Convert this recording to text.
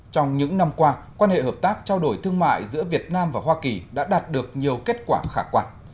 trong những năm qua quan hệ hợp tác trao đổi thương mại giữa việt nam và hoa kỳ đã đạt được nhiều kết quả khả quan